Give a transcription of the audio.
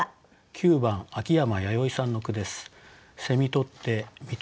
９番穐山やよいさんの句です。